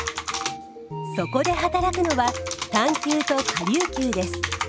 そこで働くのは単球と顆粒球です。